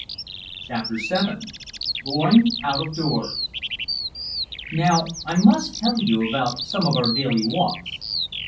Chapter VII Going Out of Doors Now I must tell you about some of our daily walks.